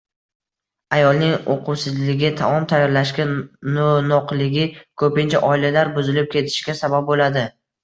Ayolning uquvsizligi, taom tayyorlashga no‘noqligi ko‘pincha oilalar buzilib ketishiga sabab bo‘ladi.